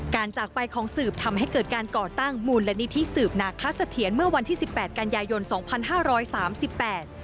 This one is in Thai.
จากไปของสืบทำให้เกิดการก่อตั้งมูลนิธิสืบนาคสะเทียนเมื่อวันที่สิบแปดกันยายนสองพันห้าร้อยสามสิบแปด